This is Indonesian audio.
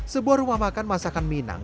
sebuah rumah makan masakan minang